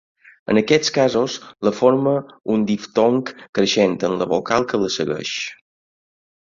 En aquests casos, la forma un diftong creixent amb la vocal que la segueix.